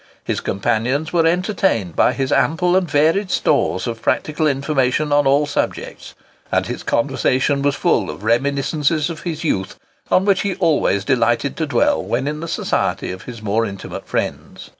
His companions were entertained by his ample and varied stores of practical information on all subjects, and his conversation was full of reminiscences of his youth, on which he always delighted to dwell when in the society of his more intimate friends.